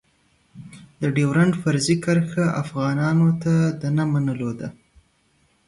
د ډېورنډ فرضي کرښه افغانانو ته د نه منلو ده.